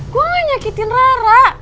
gua gak nyakitin rara